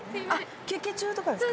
休憩中とかですか？